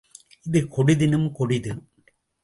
இது கொடிதினும் கொடிது.